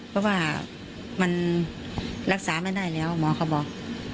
เพราะว่ามันรักษาไม่ได้แล้วหมอเขาบอก